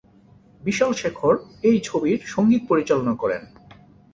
বিশাল-শেখর এই ছবির সংগীত পরিচালনা করেন।